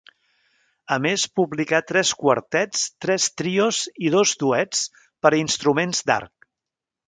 A més publicà tres quartets, tres trios i dos duets per a instruments d'arc.